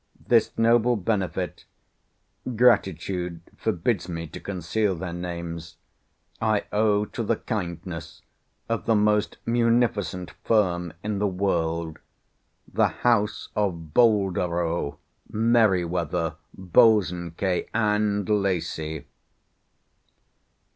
This noble benefit—gratitude forbids me to conceal their names—I owe to the kindness of the most munificent firm in the world—the house of Boldero, Merryweather, Bosanquet, and Lacy.